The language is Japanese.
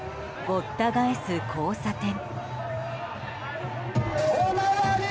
ごった返す交差点。